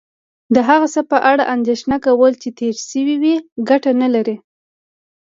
د هغه څه په اړه اندېښنه کول چې تیر شوي وي کټه نه لرې